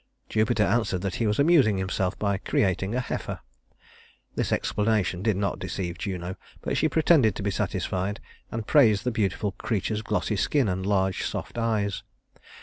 Jupiter answered that he was amusing himself by creating a heifer. This explanation did not deceive Juno; but she pretended to be satisfied, and praised the beautiful creature's glossy skin and large soft eyes.